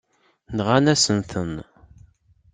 Nɣant-asen-ten.